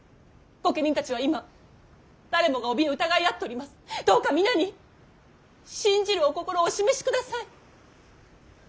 御家人たちは今誰もがおびえ疑い合っております。どうか皆に信じるお心をお示しください。